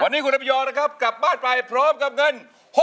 วันนี้คุณอภิยองนะครับกลับบ้านไปพร้อมกับเงิน